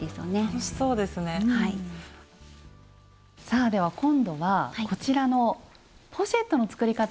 さあでは今度はこちらのポシェットの作り方